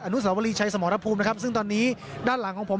นุสาวรีชัยสมรภูมินะครับซึ่งตอนนี้ด้านหลังของผม